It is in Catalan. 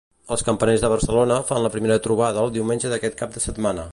Els campaners de Barcelona fan la primera trobada el diumenge d'aquest cap de setmana.